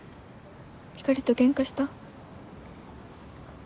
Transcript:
ひかりとケンカした？